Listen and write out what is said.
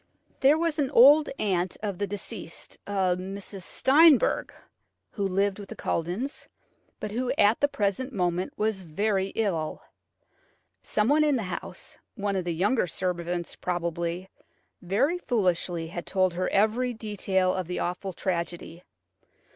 There was an old aunt of the deceased–a Mrs. Steinberg–who lived with the Culledons, but who at the present moment was very ill. Someone in the house–one of the younger servants, probably–very foolishly had told her every detail of the awful tragedy.